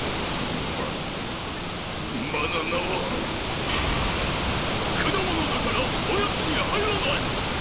バナナはバナナはくだものだからおやつにはいらない！